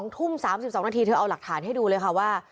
๒ทุ่ม๓๒นาทีเธอเอาหลักฐานให้ดูเลยค่ะว่า